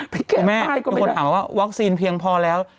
มีคนถามว่าวัคซีนเพียงพอแล้ว